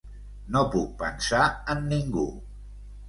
No puc pensar en ningú.